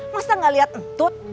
masa gak liat entut